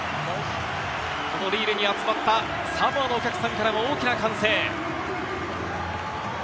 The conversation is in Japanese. このリールに集まったサモアのお客さんからも大きな歓声。